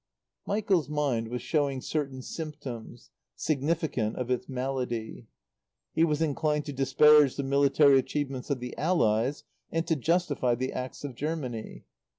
Michael's mind was showing certain symptoms, significant of its malady. He was inclined to disparage the military achievements of the Allies and to justify the acts of Germany.